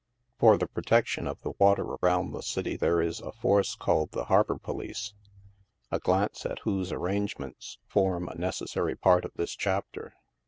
For the protection of the water around the city there is a force called the Harbor Police, a glance at whose arrangements form a necessary part of this chapter.